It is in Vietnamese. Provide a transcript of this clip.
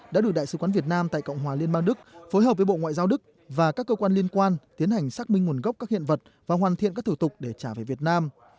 đã đủ đại sứ quán việt nam tại cộng hòa liên bang đức phối hợp với bộ ngoại giao đức và các cơ quan liên quan tiến hành xác minh nguồn gốc các hiện vật và hoàn thiện các thủ tục để trả về việt nam